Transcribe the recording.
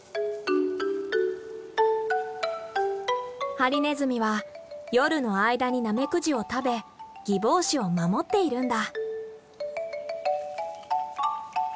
ハリネズミは夜の間にナメクジを食べギボウシを守っているんだ。